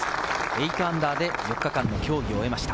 −８で４日間の競技を終えました。